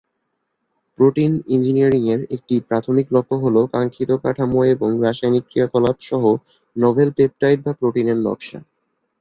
Protein ইঞ্জিনিয়ারিংয়ের একটি প্রাথমিক লক্ষ্য হ'ল কাঙ্ক্ষিত কাঠামো এবং রাসায়নিক ক্রিয়াকলাপ সহ নভেল পেপটাইড বা প্রোটিনের নকশা।